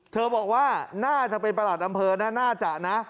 บอกว่าน่าจะเป็นประหลัดอำเภอนะน่าจะนะ